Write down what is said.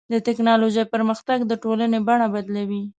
د ټکنالوجۍ پرمختګ د ټولنې بڼه بدلوي.